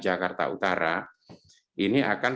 jakarta utara ini akan